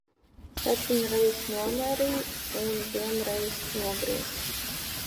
Septiņreiz nomērī un vienreiz nogriez.